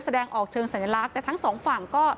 แสดงออกเชิงสัญลักษณ์แต่ทั้งสองฝั่งก็